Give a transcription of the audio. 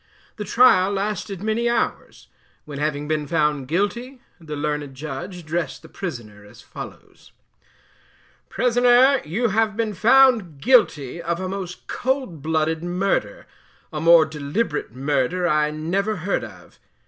The trial lasted many hours, when, having been found 'GUILTY,' the learned Judge addressed the prisoner as follows: "Prisoner, you have been found guilty of a most cold blooded murder, a more deliberate murder I never heard of.